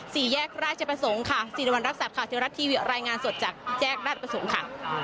สี่แยกราชประสงค์ค่ะศิริวัณรักษัตว์ข่าวเทวรัฐทีวีรายงานสดจากแยกราชประสงค์ค่ะ